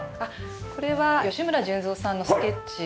これは吉村順三さんのスケッチですね。